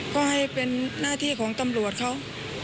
ก็ให้เป็นหน้าที่ของตำรวจเขา